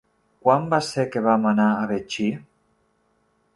Quan va ser que vam anar a Betxí?